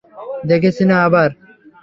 দেখেছি না আবার?